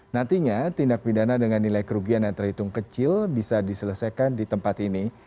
nantinya tindak pidana dengan nilai kerugian yang terhitung kecil bisa diselesaikan di tempat ini